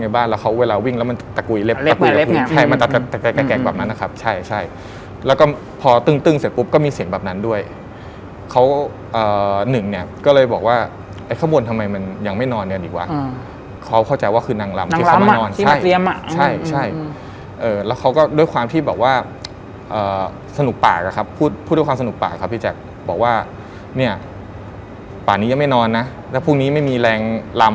แบบนั้นนะครับใช่แล้วก็พอตึงเสร็จปุ๊บก็มีเสียงแบบนั้นด้วยเขาหนึ่งเนี่ยก็เลยบอกว่าไอ้ข้างบนทำไมมันยังไม่นอนเนี่ยดีกว่าเขาเข้าใจว่าคือนางลำที่มานอนที่มาเตรียมอะใช่แล้วเขาก็ด้วยความที่บอกว่าสนุกปากอะครับพูดด้วยความสนุกปากครับพี่แจ๊คบอกว่าเนี่ยป่านี้ยังไม่นอนนะแล้วพรุ่งนี้ไม่มีแรง